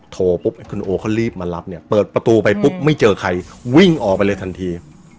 โทรปุ๊บคุณโอเขารีบมารับเนี่ยเปิดประตูไปปุ๊บไม่เจอใครวิ่งออกไปเลยทันที